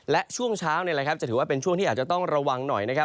และช่วงเช้าจะถือว่าเป็นช่วงที่อาจจะต้องระวังหน่อยนะครับ